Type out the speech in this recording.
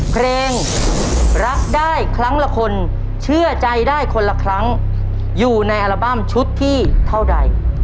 เพลงรักได้ครั้งละคนเชื่อใจได้คนละครั้งอยู่ในอัลบั้มชุดที่เท่าใด